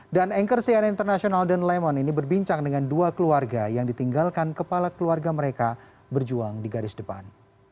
dan anchor cnn international dan lemon ini berbincang dengan dua keluarga yang ditinggalkan kepala keluarga mereka berjuang di garis depan